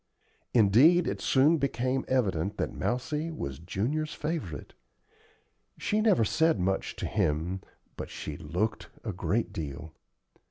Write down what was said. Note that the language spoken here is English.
Indeed, it soon became evident that Mousie was Junior's favorite. She never said much to him, but she looked a great deal.